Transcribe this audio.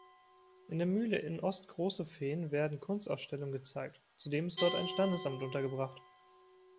In der Mühle in Ostgroßefehn werden Kunstausstellungen gezeigt, zudem ist dort ein Standesamt untergebracht.